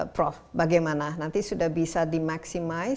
prof bagaimana nanti sudah bisa di maximize